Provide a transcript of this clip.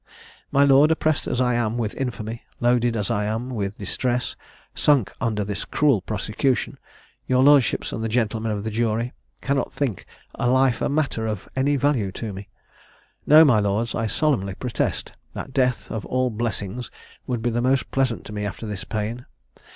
My lords, oppressed as I am with infamy, loaded as I am with distress, sunk under this cruel prosecution, your lordships and the gentlemen of the jury cannot think life a matter of any value to me. No, my lords, I solemnly protest, that death of all blessings would be the most pleasant to me after this pain.